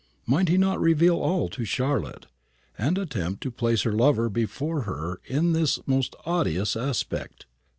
Might he not reveal all to Charlotte, and attempt to place her lover before her in this most odious aspect?